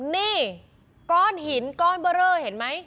นี่ก้อนหินก้อนเบอร์เรอเห็นไหม